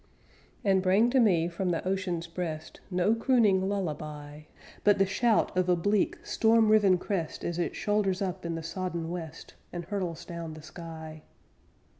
And bring to me from the ocean's breast No crooning lullaby; But the shout of a bleak storm riven crest As it shoulders up in the sodden West And hurtles down the sky.